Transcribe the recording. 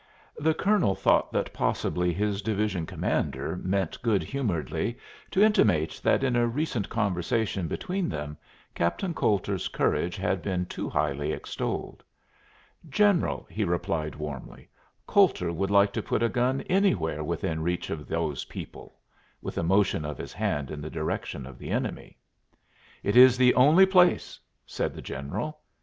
The colonel thought that possibly his division commander meant good humoredly to intimate that in a recent conversation between them Captain Coulter's courage had been too highly extolled. "General," he replied warmly, "Coulter would like to put a gun anywhere within reach of those people," with a motion of his hand in the direction of the enemy. "It is the only place," said the general.